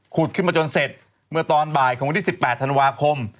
ขึ้นมาจนเสร็จเมื่อตอนบ่ายของวันที่๑๘ธันวาคม